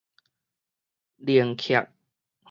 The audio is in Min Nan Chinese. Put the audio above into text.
能隙